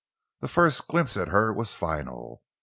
The first glimpse at her was final.